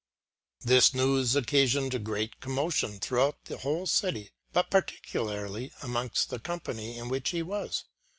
This news occasioned great commotion throughout the whole city, but particularly amongst the company in which he was.